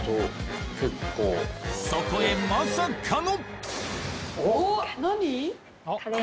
そこへまさかのおっ何？